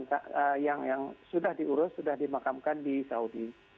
yang sudah diurus sudah dimakamkan di saudi